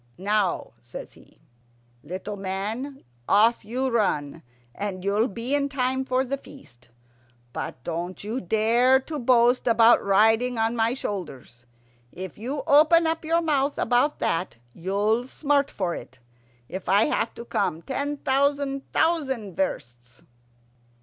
"Now," says he, "little man, off you run, and you'll be in time for the feast. But don't you dare to boast about riding on my shoulders. If you open your mouth about that you'll smart for it, if I have to come ten thousand thousand versts."